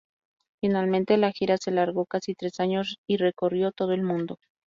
Finalmente la gira se alargó casi tres años y recorrió todo el mundo.